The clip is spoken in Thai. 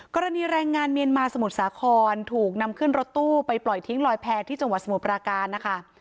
กรณีแรงงานเมียนมาสมุทรสาครถูกนำขึ้นรถตู้ไปปล่อยทิ้งลอยแพ้ที่จังหวัดสมุทรปราการนะคะ